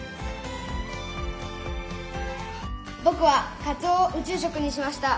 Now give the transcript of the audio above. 僕はカツオを宇宙食にしました。